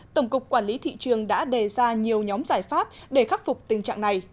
tổng cục quản lý thị trường đã đề ra nhiều nhóm giải pháp để khắc phục tình trạng này